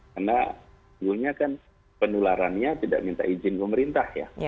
karena penularannya tidak minta izin pemerintah